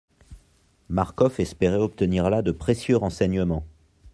Marcof espérait obtenir là de précieux renseignements.